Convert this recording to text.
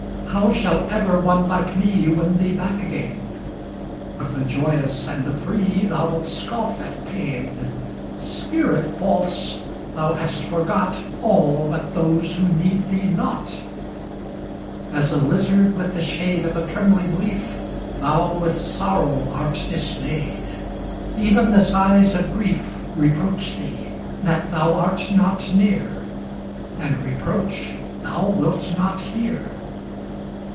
How shall ever one like me Win thee back again? With the joyous and the free Thou wilt scoff at pain. Spirit false! thou hast forgot All but those who need thee not. As a lizard with the shade Of a trembling leaf, Thou with sorrow art dismayed; Even the sighs of grief Reproach thee, that thou art not near, And reproach thou wilt not her.